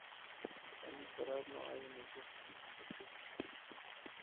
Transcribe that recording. Al disparar, no hay un empuje significativo hacia atrás.